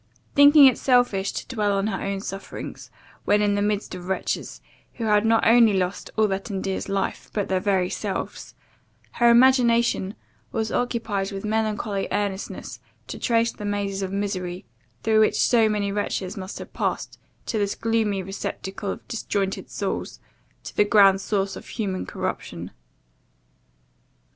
Thinking it selfish to dwell on her own sufferings, when in the midst of wretches, who had not only lost all that endears life, but their very selves, her imagination was occupied with melancholy earnestness to trace the mazes of misery, through which so many wretches must have passed to this gloomy receptacle of disjointed souls, to the grand source of human corruption.